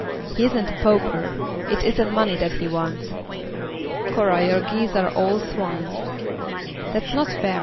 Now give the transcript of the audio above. He isn't a pauper. It isn't money that he wants." "Cora, your geese are all swans." "That's not fair.